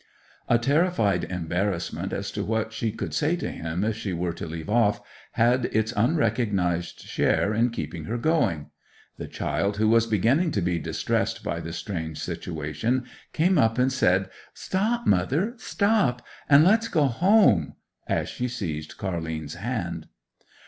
A terrified embarrassment as to what she could say to him if she were to leave off, had its unrecognized share in keeping her going. The child, who was beginning to be distressed by the strange situation, came up and said: 'Stop, mother, stop, and let's go home!' as she seized Car'line's hand.